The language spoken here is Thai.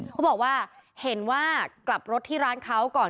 เขาบอกว่าเห็นว่ากลับรถที่ร้านเขาก่อน